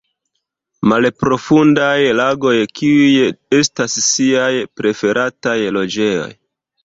Malprofundaj lagoj kiuj estas siaj preferataj loĝejoj.